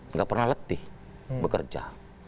nggak pernah letih bekerja